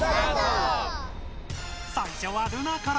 最初はルナから！